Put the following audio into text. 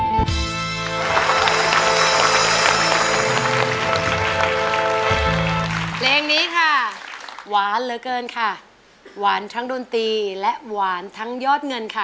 เพลงนี้ค่ะหวานเหลือเกินค่ะหวานทั้งดนตรีและหวานทั้งยอดเงินค่ะ